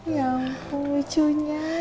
ya ampun lucunya